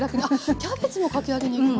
キャベツもかき揚げにいけます？